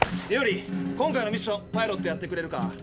ユーリ今回のミッションパイロットやってくれるか？